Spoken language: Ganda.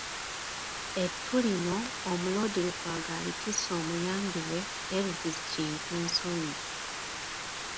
Ettu lino Omuloodi Lukwago alitise omuyambi we, Elvis Kintu Nsonyi